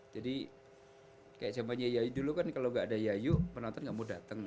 jadi kayak zamannya yayu dulu kan kalau gak ada yayu penonton gak mau dateng